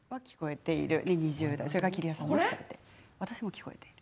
私も聞こえている。